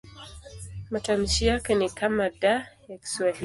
Matamshi yake ni kama D ya Kiswahili.